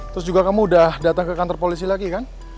terus juga kamu udah datang ke kantor polisi lagi kan